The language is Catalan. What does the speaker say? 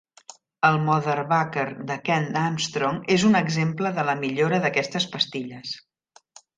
El "Motherbucker" de Kent Armstrong és un exemple de la millora d'aquestes pastilles.